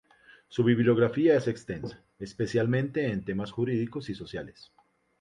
Su bibliografía es extensa, especialmente en temas jurídicos y sociales.